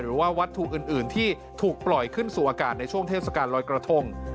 หรือว่าวัตถุอื่นที่ถูกปล่อยขึ้นสู่อากาศในช่วงเทศกาลลอยกระทง